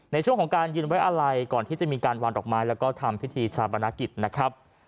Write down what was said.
ในช่วงของการยืนไว้อะไรก่อนที่จะมีการวางดอกไม้แล้วก็ทำพิธีชาปนกิจนะครับ